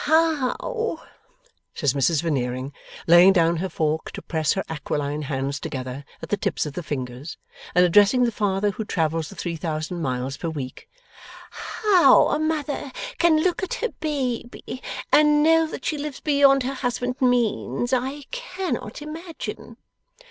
'How,' says Mrs Veneering, laying down her fork to press her aquiline hands together at the tips of the fingers, and addressing the Father who travels the three thousand miles per week: 'how a mother can look at her baby, and know that she lives beyond her husband's means, I cannot imagine.